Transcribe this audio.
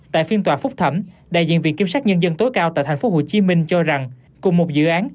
tại phiên tòa phúc thẩm đại diện viện kiểm sát nhân dân tối cao tại tp hcm cho rằng cùng một dự án